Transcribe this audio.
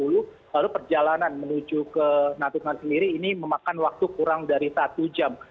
lalu perjalanan menuju ke natuna sendiri ini memakan waktu kurang dari satu jam